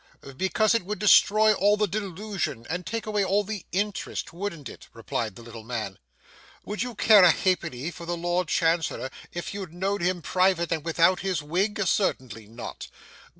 'Because it would destroy all the delusion, and take away all the interest, wouldn't it?' replied the little man. 'Would you care a ha'penny for the Lord Chancellor if you know'd him in private and without his wig? certainly not.